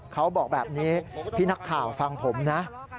เขาบอกแบบนี้พี่นักข่าวฟังผมนะ